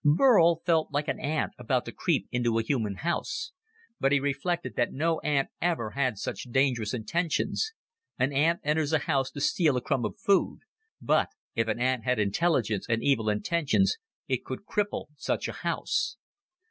Burl felt like an ant about to creep into a human house. But he reflected that no ant ever had such dangerous intentions. An ant enters a house to steal a crumb of food. But if an ant had intelligence and evil intentions, it could cripple such a house.